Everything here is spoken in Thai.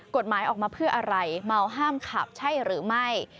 กฎหมายออกมาเพื่ออะไรเมาห้ามขับใช่หรือไม่